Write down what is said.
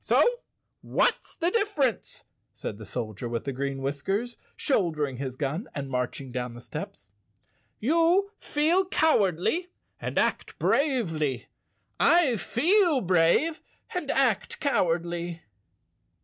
" So what's the difference," said the Soldier with the Green Whiskers, shouldering his gun and marching down the steps. "You feel cowardly and act bravely. ixjyjLtp ' I feel brave and act cowardly."